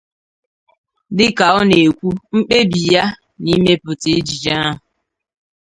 Dịka ọ na-ekwu mkpebi ya na ịmepụta ejije ahụ